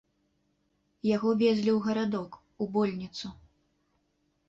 Яго везлі ў гарадок, у больніцу.